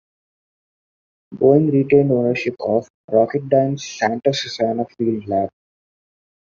Boeing retained ownership of Rocketdyne's Santa Susana Field Lab.